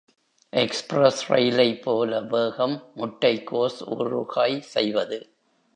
Express ரயிலை போல வேகம் முட்டைகோஸ் ஊறுகாய் செய்வது.